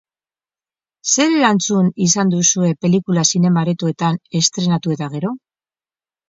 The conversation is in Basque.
Zer erantzun izan duzue pelikula zinema-aretoetan estreinatu eta gero?